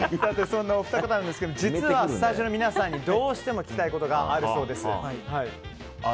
そんなお二方、実はスタジオの皆さんにどうしても聞きたいことがあるそうです。